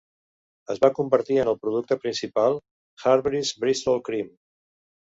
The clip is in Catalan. Es va convertir en el producte principal: Harveys Bristol Cream.